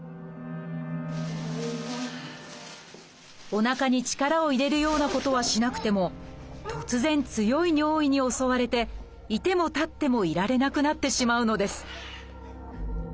おなかに力を入れるようなことはしなくても突然強い尿意に襲われていてもたってもいられなくなってしまうのです。